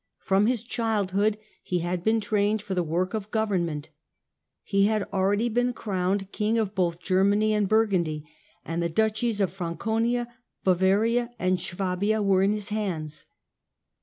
From his childhood he had been trained for the work of government. He had already been crowned king of both Germany and Burgundy, and the duchies of Franconia, Bavaria and Swabia were in his hands.